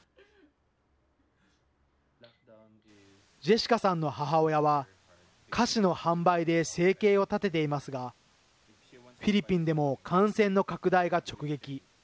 ジェシカさんの母親は、菓子の販売で生計を立てていますが、フィリピンでも感染の拡大が直撃。